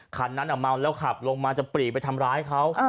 คันนั้นเมาแล้วขับลงมาจะปรีไปทำร้ายเขา